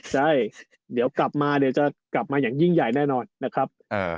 ใช่เดี๋ยวกลับมาเดี๋ยวจะกลับมาอย่างยิ่งใหญ่แน่นอนนะครับ